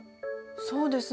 そうですね。